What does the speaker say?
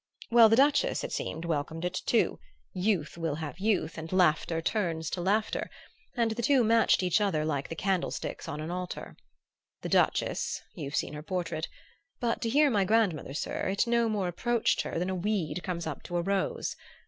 "Well, the Duchess, it seemed, welcomed it too; youth will have youth, and laughter turns to laughter; and the two matched each other like the candlesticks on an altar. The Duchess you've seen her portrait but to hear my grandmother, sir, it no more approached her than a weed comes up to a rose.